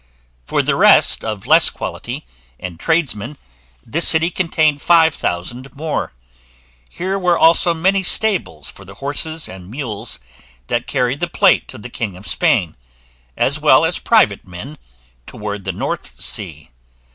For the rest of less quality, and tradesmen, this city contained five thousand more. Here were also many stables for the horses and mules that carry the plate of the king of Spain, as well as private men, towards the North Sea.